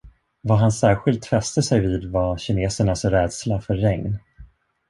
Vad han särskilt fäste sig vid var kinesernas rädsla för regn.